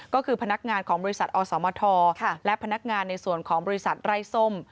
ก็คือพนักงานของบริษัทอสมทและพนักงานในส่วนของบริษัทไร้ส้ม